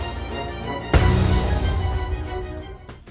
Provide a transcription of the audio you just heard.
ไม่เอาหน่าเลย